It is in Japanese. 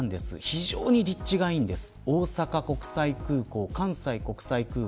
非常に立地がいいんです。